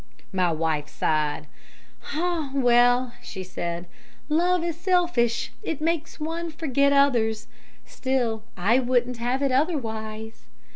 "My wife sighed. 'Ah, well,' she said, 'love is selfish! It makes one forget others. Still, I wouldn't have it otherwise.'